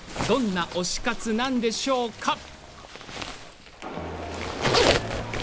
どんな推し活なんでしょうか。